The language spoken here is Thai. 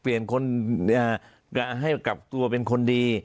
เปลี่ยนคนให้กลับตัวเป็นคนดี